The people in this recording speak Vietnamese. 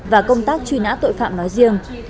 và công tác truy nã tội phạm nói riêng